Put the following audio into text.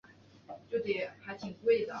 每一条脑沟在解剖学上都有专有名称。